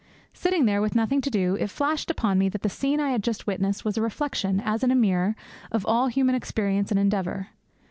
Sitting there with nothing to do, it flashed upon me that the scene I had just witnessed was a reflection, as in a mirror, of all human experience and endeavour.